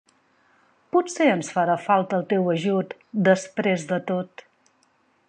Potser ens farà falta el teu ajut després de tot.